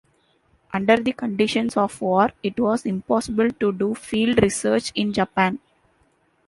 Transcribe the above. Under the conditions of war, it was impossible to do field research in Japan.